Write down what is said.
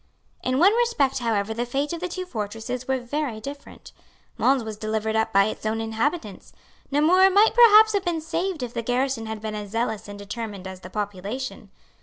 In one respect however the fate of the two fortresses was very different. Mons was delivered up by its own inhabitants. Namur might perhaps have been saved if the garrison had been as zealous and determined as the population.